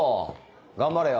頑張れよ。